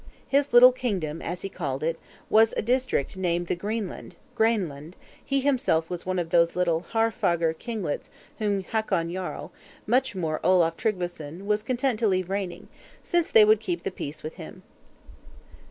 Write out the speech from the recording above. His little "kingdom," as he called it, was a district named the Greenland (Graeneland); he himself was one of those little Haarfagr kinglets whom Hakon Jarl, much more Olaf Tryggveson, was content to leave reigning, since they would keep the peace with him.